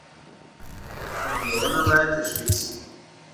پانګونه باید تشویق شي.